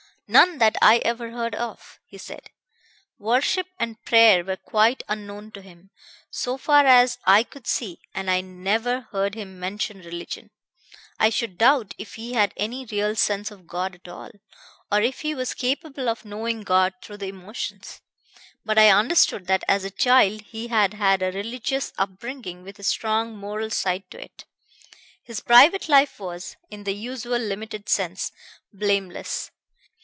"None that I ever heard of," he said. "Worship and prayer were quite unknown to him, so far as I could see, and I never heard him mention religion. I should doubt if he had any real sense of God at all, or if he was capable of knowing God through the emotions. But I understood that as a child he had had a religious up bringing with a strong moral side to it. His private life was, in the usual limited sense, blameless.